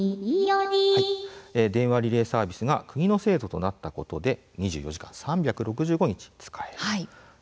電話リレーサービスが国の制度となったことで２４時間３６５日使えるようになります。